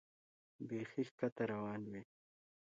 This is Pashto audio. بیخي ښکته روان وې.